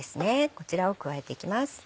こちらを加えていきます。